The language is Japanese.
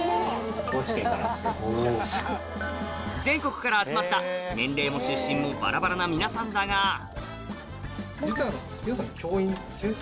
全国から集まった年齢も出身もバラバラな皆さんだが先生。